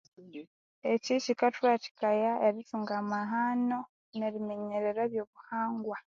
Ekyi kyikathuwathikaya erithunga amahano neriminyerera ebyobuhangwa.